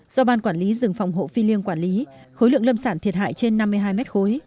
do ban quản lý rừng phòng hộ phi liêng quản lý khối lượng lâm sản thiệt hại trên năm mươi hai mét khối